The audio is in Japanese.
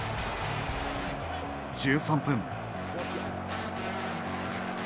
１３分。